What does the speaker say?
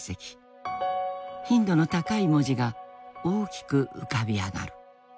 頻度の高い文字が大きく浮かび上がる。